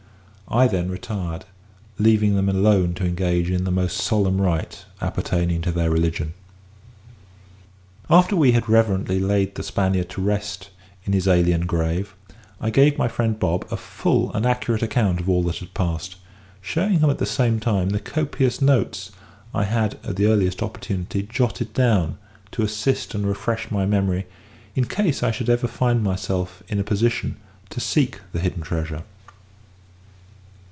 I then retired, leaving them alone to engage in the most solemn rite appertaining to their religion. After we had reverently laid the Spaniard to rest in his alien grave, I gave my friend Bob a full and accurate account of all that had passed, showing him at the same time the copious notes I had, at the earliest opportunity, jotted down to assist and refresh my memory in case I should ever find myself in a position to seek the hidden treasure.